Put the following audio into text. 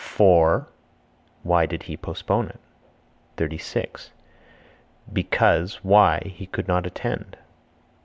(For) why did he postpone it? 36. Because (why) he could not attend.